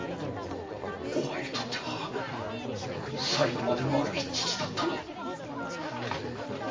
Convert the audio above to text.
お前にとっては最後まで悪い父だったな。